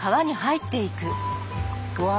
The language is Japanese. うわ！